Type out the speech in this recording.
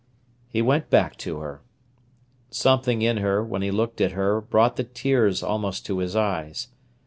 He went back to her. Something in her, when he looked at her, brought the tears almost to his eyes.